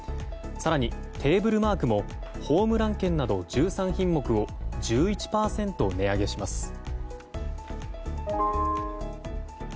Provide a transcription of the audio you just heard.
更にテーブルマークもホームラン軒など１３品目を１１％値上げします。